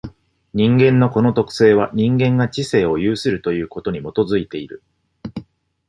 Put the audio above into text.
人間のこの特性は、人間が知性を有するということに基いている。